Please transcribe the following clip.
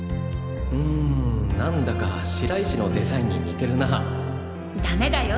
うんなんだか白石のデザインに似てダメだよ